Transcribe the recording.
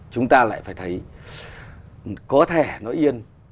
chúng ta lại phải thấy có thể nói yên